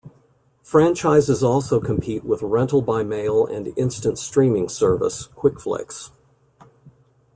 Franchises also compete with rental-by-mail and instant streaming service, Quickflix.